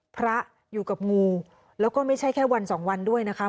พระอยู่กับงูแล้วก็ไม่ใช่แค่วันสองวันด้วยนะคะ